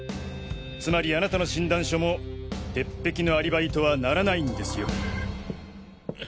つまりあなたの診断書も鉄壁のアリバイとはならないんですよ。